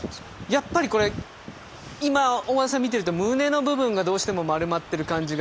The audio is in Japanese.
やっぱりこれ今大和田さん見てると胸の部分がどうしても丸まってる感じがありますよね。